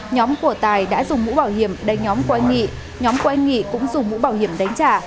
nhóm của tài đã dùng mũ bảo hiểm đánh nhóm của anh nghị nhóm của anh nghị cũng dùng mũ bảo hiểm đánh trả